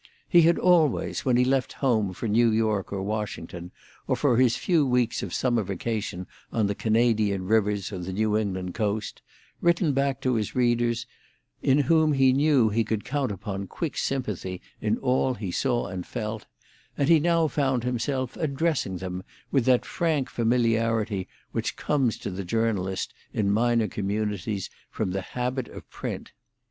He had always, when he left home for New York or Washington, or for his few weeks of summer vacation on the Canadian rivers or the New England coast, written back to his readers, in whom he knew he could count upon quick sympathy in all he saw and felt, and he now found himself addressing them with that frank familiarity which comes to the journalist, in minor communities, from the habit of print.